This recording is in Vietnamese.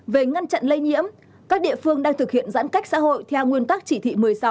về ngăn chặn lây nhiễm các địa phương đang thực hiện giãn cách xã hội theo nguyên tắc chỉ thị một mươi sáu